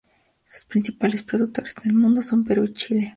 Sus principales productores en el mundo son Perú y Chile.